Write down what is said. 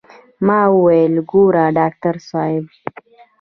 ما وويل ګوره ډاکتر صاحب.